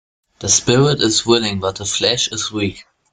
The spirit is willing but the flesh is weak.